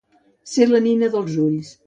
Ser la nina dels ulls.